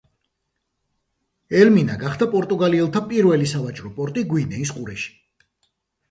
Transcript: ელმინა გახდა პორტუგალიელთა პირველი სავაჭრო პორტი გვინეის ყურეში.